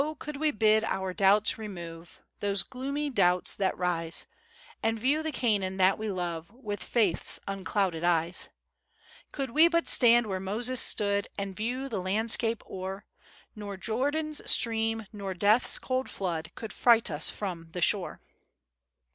could we bid our doubts remove, Those gloomy doubts that rise, And view the Canaan that we love With Faith's unclouded eyes; "Could we but stand where Moses stood, And view the landscape o'er, Nor Jordan's stream, nor death's cold flood, Could fright us from the shore."